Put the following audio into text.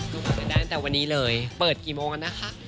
ก็คุยกันได้ตั้งแต่วันนี้เลยเปิดกี่โมงนะคะ